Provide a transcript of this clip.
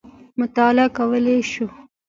مطالعه کولای شو.